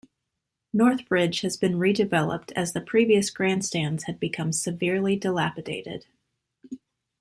Northbridge has been redeveloped as the previous grandstands had become severely dilapidated.